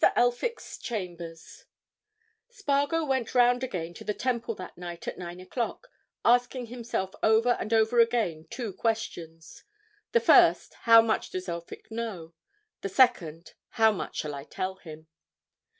ELPHICK'S CHAMBERS Spargo went round again to the Temple that night at nine o'clock, asking himself over and over again two questions—the first, how much does Elphick know? the second, how much shall I tell him?